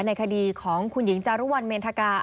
ในคดีของคุณหญิงจารุวัลเมนธกา